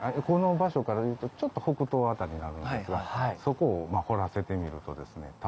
この場所からいうとちょっと北東辺りになるんですがそこを掘らせてみるとですね